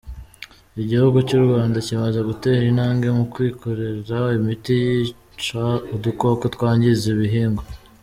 Igihugu cy’u Rwanda kimaze gutera intambwe mu kwikorera imiti yica udukoko twangiza ibihingwa.